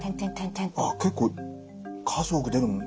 ああ結構数多く出るもんですね。